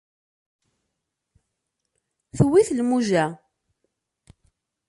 Tewwi-t lmuja